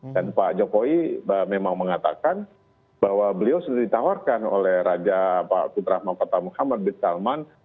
dan pak jokowi memang mengatakan bahwa beliau sudah ditawarkan oleh raja pak kudrahma kota muhammad bin salman